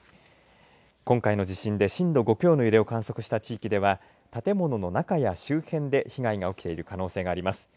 今回の地震で震度５強の揺れを観測した地域では建物の中や周辺で被害が起きている可能性があります。